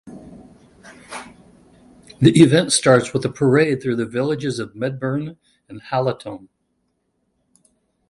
The event starts with a parade through the villages of Medbourne and Hallaton.